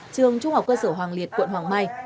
trường trung học cơ sở hoàng liệt quận hoàng mai